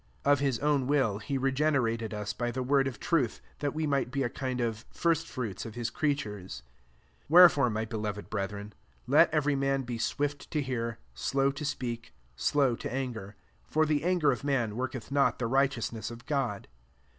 18 Of his own will he regenerated us by the word of truth, that we might be a kind of first fruits qf his creatures. 19 Wherefore, my beloved brethren, let every man be swift to hear, slow to speak, slow to anger : 20 for the anger of man worketh not the righteousness of God.